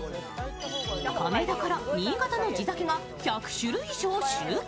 米どころ・新潟の地酒が１００種類以上集結。